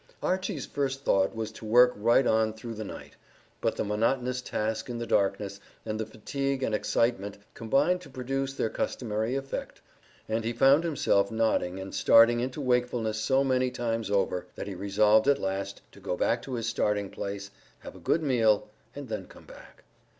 Archy's first thought was to work right on through the night, but the monotonous task in the darkness, and the fatigue and excitement, combined to produce their customary effect, and he found himself nodding and starting into wakefulness so many times over, that he resolved at last to go back to his starting place, have a good meal, and then come back.